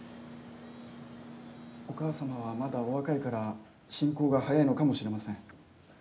お母様は、まだお若いから進行が早いのかもしれません。